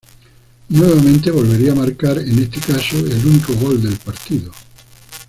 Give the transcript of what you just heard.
Nuevamente volvería a marcar, en este caso el único gol del partido.